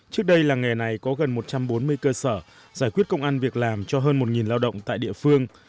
trước đây làng nghề này có gần một trăm bốn mươi cơ sở giải quyết công an việc làm cho hơn một lao động tại địa phương